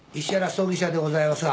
葬儀社でございますが。